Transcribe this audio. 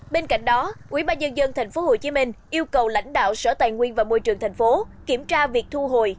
bên cạnh đó ubnd tp hcm yêu cầu lãnh đạo sở tài nguyên và môi trường tp hcm kiểm tra việc thu hồi